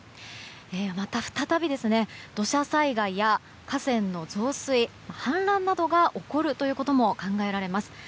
また、再び土砂災害や河川の増水氾濫などが起こることも考えられます。